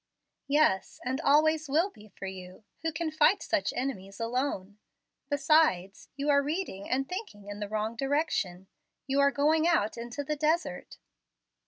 "' "Yes, and always will be for you. Who can fight such enemies alone? Besides, you are reading and thinking in the wrong direction. You are going out into the desert."